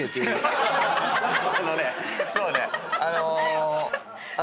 あのねそうねあの。